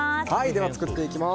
では作っていきます。